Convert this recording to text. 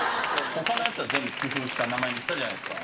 ほかのやつは全部、工夫した名前にしたじゃないですか。